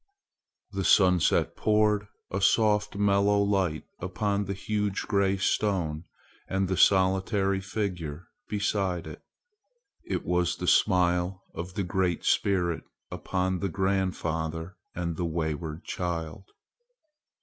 The sunset poured a soft mellow light upon the huge gray stone and the solitary figure beside it. It was the smile of the Great Spirit upon the grandfather and the wayward child.